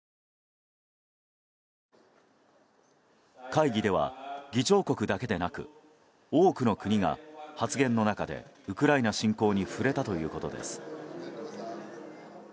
会議では、議長国だけでなく多くの国が、発言の中でウクライナ侵攻に触れたということです。